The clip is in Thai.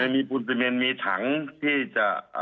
มีปูนซีเมนมีถังที่จะ